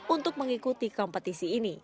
untuk mengikuti kompetisi ini